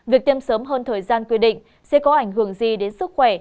việc tiêm sớm hơn thời gian quy định sẽ có ảnh hưởng gì đến sức khỏe